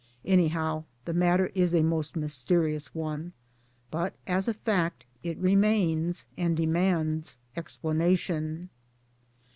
Anyhow the matter is a most mysterious one ; but as a fact it remains, and demands explanation.